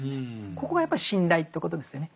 ここがやっぱり信頼ということですよね。